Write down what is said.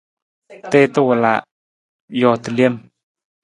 Tiita wala, joota lem.